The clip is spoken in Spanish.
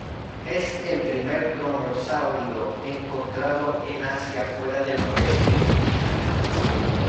Es el primer dromeosáurido encontrado en Asia fuera del noreste de China.